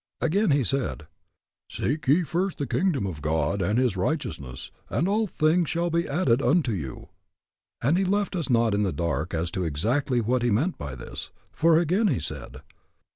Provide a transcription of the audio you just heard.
Again he said, Seek ye first the kingdom of God and His righteousness, and all these things shall be added unto you. And he left us not in the dark as to exactly what he meant by this, for again he said.